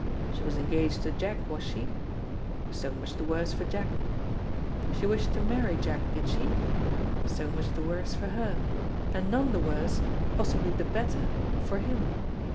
She was engaged to Jack, was she? So much the worse for Jack. She wished to marry Jack, did she? So much the worse for her, and none the worse, possibly the better, for him.